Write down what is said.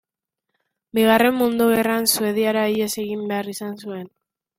Bigarren Mundu Gerran Suediara ihes egin behar izan zuen.